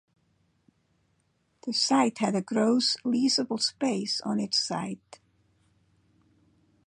The site had of gross leasable space on its site.